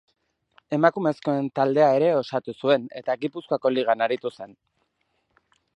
Emakumezkoen taldea ere osatu zuen eta Gipuzkoako Ligan aritu zen.